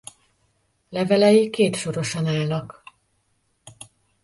Levelei kétsorosan állnak.